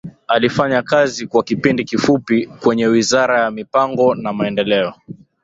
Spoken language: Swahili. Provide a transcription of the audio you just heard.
Alifanya kazi kwa kipindi kifupi kwenye Wizara ya Mipango na Maendeleo